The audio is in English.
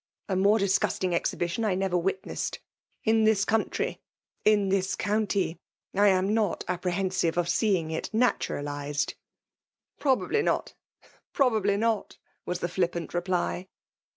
" A morQ disgusting exhibition I never witnessed. In FEMALE DOMINATION. 137 * tliis country — ^in this county — I am not appror hensive of seeing it naturalized." " Probably not, probably not," was the flip pant reply.